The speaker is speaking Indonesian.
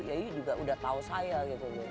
yayu juga udah tahu saya gitu loh